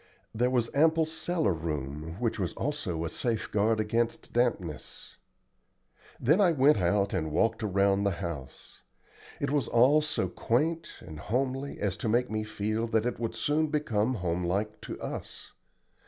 There was ample cellar room, which was also a safeguard against dampness. Then I went out and walked around the house. It was all so quaint and homely as to make me feel that it would soon become home like to us.